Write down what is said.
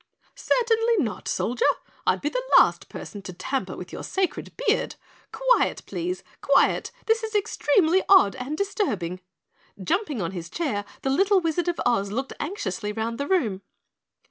"Certainly not, Soldier. I'd be the last person to tamper with your sacred beard. Quiet, please! Quiet! This is extremely odd and disturbing." Jumping on his chair, the Little Wizard of Oz looked anxiously around the room.